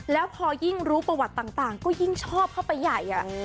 แล้วพอยิ่งรู้ประวัติต่างก็ยิ่งชอบเข้าไปใหญ่